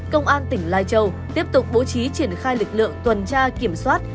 công an tỉnh lai châu tiếp tục bố trí triển khai lực lượng tuần tra kiểm soát